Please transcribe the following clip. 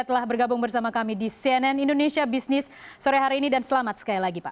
telah bergabung bersama kami di cnn indonesia business sore hari ini dan selamat sekali lagi pak